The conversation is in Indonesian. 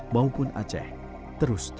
baik yang berada di wilayah provinsi sumatera utara